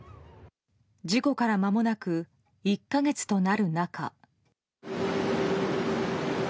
事故からまもなく１か月となる中。